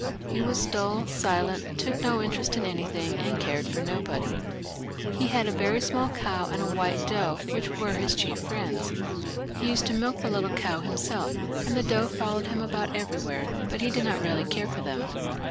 He was duU, silent, took no interest in anything, and cared for nobody. He had a very small cow and a white doe, which were his chief friends. He used to milk the little cow himself, and the doe followed him about everywhere ; but he did not really care for them.